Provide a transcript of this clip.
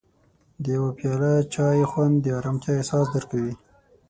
د یو پیاله چای خوند د ارامتیا احساس درکوي.